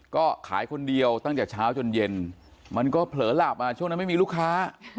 ก็ขายคนเดียวตั้งแต่เช้าจนเย็นมันก็เผลอหลาบมาช่วงนั้นไม่มีลูกค้า